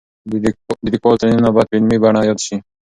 د لیکوالو تلینونه باید په علمي بڼه یاد شي.